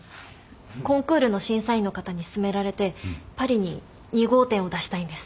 コンクールの審査員の方に勧められてパリに２号店を出したいんです。